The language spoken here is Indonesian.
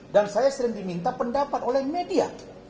dan saya sering diminta pendapat oleh media